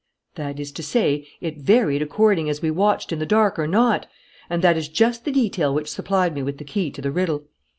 "That is to say, it varied according as we watched in the dark or not, and that is just the detail which supplied me with the key to the riddle.